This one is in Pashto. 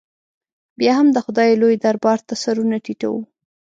بیا هم د خدای لوی دربار ته سرونه ټیټو.